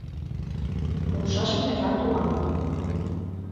— Полшаш мый рат улам.